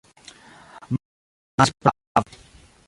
Maziero estis prava.